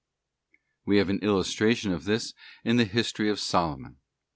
We have an illustration of this in the history of Solomon.